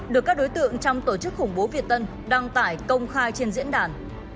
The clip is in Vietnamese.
được các đối tượng trong tổ chức khủng bố việt tân đăng tải công khai trên diễn đàn